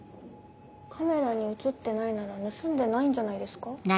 カメラに写ってないなら盗んでないんじゃないですか？